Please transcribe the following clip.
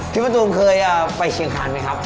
มะตูมเคยไปเชียงคันไหมครับ